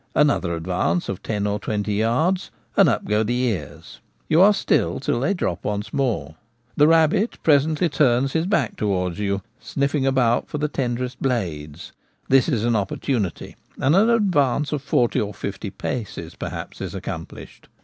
Another advance of ten or twenty yards, and up go the ears — you are still till they drop once more. The rabbit presently turns his back towards you, sniffing about for the tenderest blades ; this is an opportunity, and an advance of forty or fifty paces perhaps is accomplished.